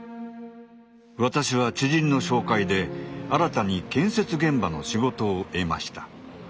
私は知人の紹介で新たに建設現場の仕事を得ました。